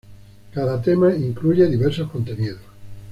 Cada tema incluye diversos contenidos.